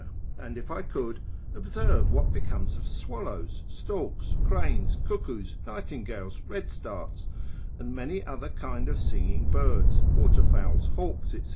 (And, if I could, observe what becomes of swallows, storks, cranes, cuckoos, nightingales, redstarts, and many other kind of singing birds, water fowls, hawks, &c.